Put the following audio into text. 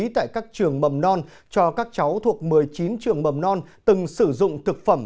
tại các trường mầm non cho các cháu thuộc một mươi chín trường mầm non từng sử dụng thực phẩm